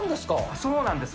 そうなんです。